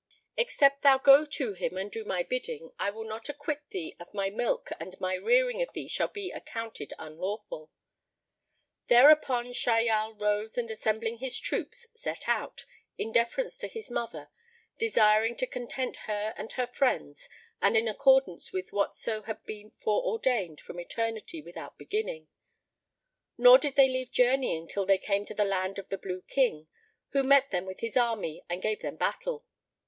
Except thou go to him and do my bidding, I will not acquit thee of my milk and my rearing of thee shall be accounted unlawful." Thereupon Shahyal rose and assembling his troops, set out, in deference to his mother, desiring to content her and her friends, and in accordance with whatso had been fore ordained from eternity without beginning; nor did they leave journeying till they came to the land of the Blue King, who met them with his army and gave them battle.